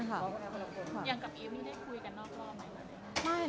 ยังกับอิ๊วไม่ได้คุยกันนอกล่อไหมคะ